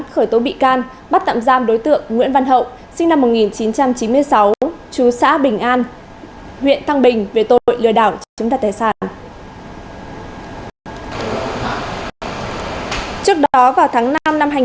khởi tố bị can bắt tạm giam đối tượng nguyễn văn hậu sinh năm một nghìn chín trăm chín mươi sáu chú xã bình an